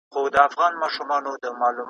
احمد خپله مور بېدوله.